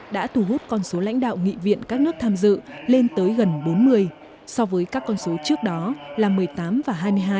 đã thu hút con số lãnh đạo nghị viện các nước tham dự lên tới gần bốn mươi so với các con số trước đó là một mươi tám và hai mươi hai